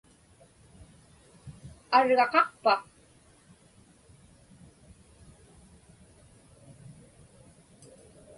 Argaqaqpa?